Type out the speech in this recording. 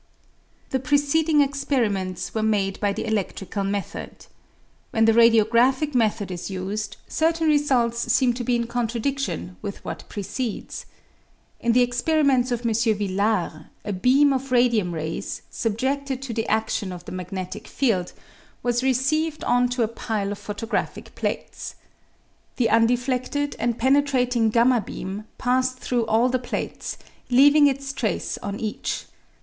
The preceding experiments were made by the eledlrical method. When the radiographic method is used, certain results seem to be in contradidlion with what precedes. In the experiments of M. Villard, a beam of radium rays, sub jedted to the adlion of the magnetic field, was received on to a pile of photographic plates. The undefledled and penetrating 7 beam passed through all the plates, leaving its trace on each.